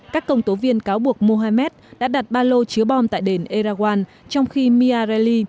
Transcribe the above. các công tố viên cáo buộc mohamed đã đặt ba lô chứa bom tại đền erawan trong khi mierali